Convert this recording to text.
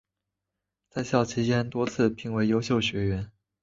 在校期间多次被评为优秀学员。